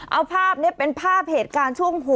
เอาภาพนี้เป็นภาพเหตุการณ์ช่วงหัว